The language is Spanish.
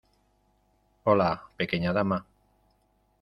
Hola, pequeña dama.